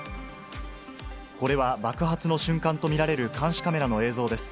これは爆発の瞬間と見られる監視カメラの映像です。